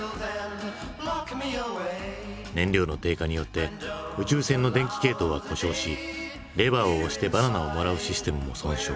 燃料の低下によって宇宙船の電気系統は故障し「レバーを押してバナナをもらうシステム」も損傷。